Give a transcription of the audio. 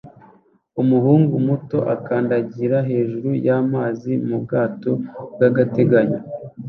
Umuhungu muto akandagira hejuru y'amazi mu bwato bwagateganyo